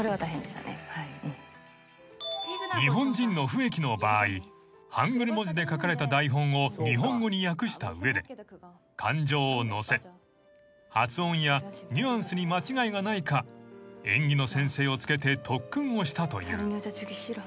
［日本人の笛木の場合ハングル文字で書かれた台本を日本語に訳した上で感情を乗せ発音やニュアンスに間違いがないか演技の先生をつけて特訓をしたという］